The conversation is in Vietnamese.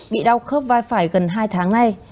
bị đau khớp vai phải gần hai tháng nay